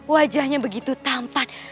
wajahnya begitu tampan